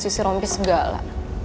sisi rompi segala